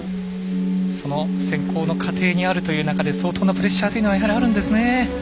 その選考の過程にあるという中で相当なプレッシャーというのはやはりあるんですね。